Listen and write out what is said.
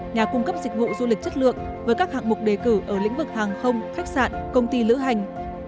nhà cung cấp dịch vụ du lịch chất lượng với các hạng mục đề cử ở lĩnh vực hàng không khách sạn công ty lữ hành